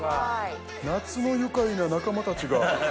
夏の愉快な仲間たちが。